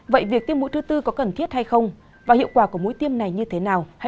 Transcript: vậy việc tiêm mũi thứ tư có cần thiết hay không và hiệu quả của mũi tiêm này như thế nào